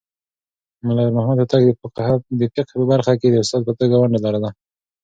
ملا يارمحمد هوتک د فقهه په برخه کې د استاد په توګه ونډه لرله.